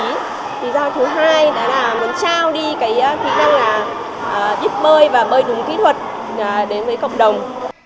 thì do thứ hai đó là muốn trao đi cái kỹ năng là biết bơi và bơi đúng kỹ thuật đến với cộng đồng